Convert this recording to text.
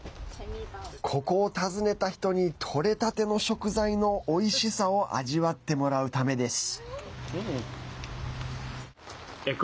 ここを訪ねた人にとれたての食材のおいしさを味わってもらうためです。